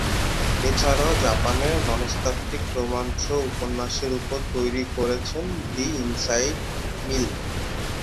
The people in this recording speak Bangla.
এছাড়াও জাপানে মনস্তাত্ত্বিক রোমাঞ্চ উপন্যাসের উপর তৈরি করেছেন "দি ইনসাইড মিল"।